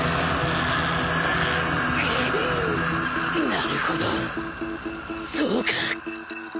なるほどそうか